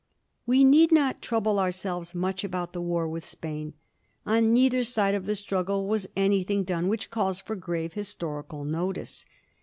We need not trouble ourselves much about the war with Spain. On neither side of the struggle was anything done which calls for grave historical notice.